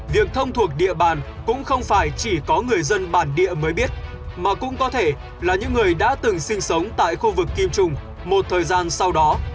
việc thông thuộc địa bàn cũng không phải chỉ có người dân bản địa mới biết mà cũng có thể là những người đã từng sinh sống tại khu vực kim trung một thời gian sau đó